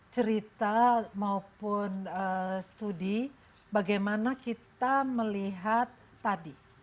cerita maupun studi bagaimana kita melihat tadi